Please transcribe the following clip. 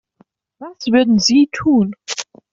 Was würden Sie tun?